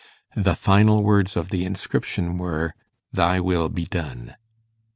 The final words of the inscription were, 'Thy will be done.